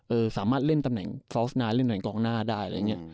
เออสามารถเล่นตำแหน่งฝอร์ตส์น้ายเล่นตำแหน่งดองนาได้เลย